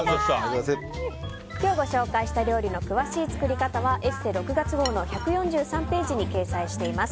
今日ご紹介した料理の詳しい作り方は「ＥＳＳＥ」６月号の１４３ページに掲載しています。